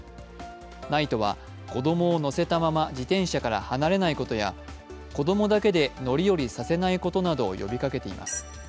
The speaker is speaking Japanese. ＮＩＴＥは子供を乗せたまま自転車から離れないことや子供だけで乗り降りさせないことなどを呼びかけています。